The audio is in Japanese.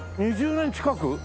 ２０年近く？